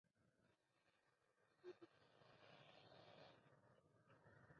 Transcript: Fue la defensora que más goles convirtió en la selección femenina.